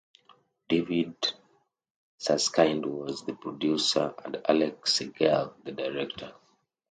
David Susskind was the producer and Alex Segal the director.